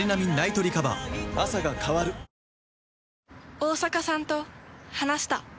大坂さんと話した。